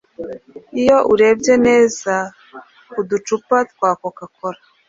Iyo urebye neza ku ducupa twa Coca cola